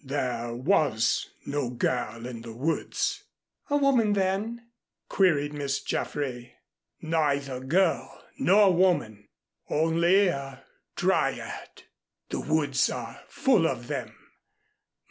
"There was no girl in the woods." "A woman, then?" queried Miss Jaffray. "Neither girl nor woman only a Dryad. The woods are full of them.